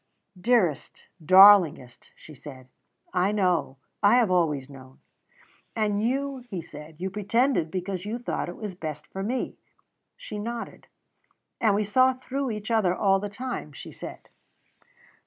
"Dearest, darlingest," she said, "I know I have always known." "And you," he said, "you pretended because you thought it was best for me." She nodded. "And we saw through each other all the time," she said.